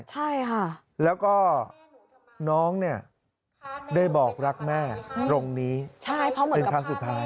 ใช่ค่ะแล้วก็น้องเนี่ยได้บอกรักแม่ตรงนี้เพราะเหมือนพระสุทธิ์